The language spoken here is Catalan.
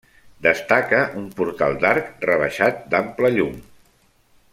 Destaca un portal d'arc rebaixat d'ampla llum.